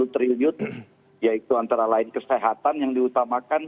empat ratus lima puluh triliun yaitu antara lain kesehatan yang diutamakan